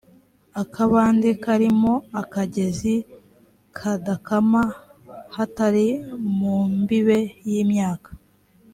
akabande karimo akagezi kadakama, hatari mu mbibe y’imyaka.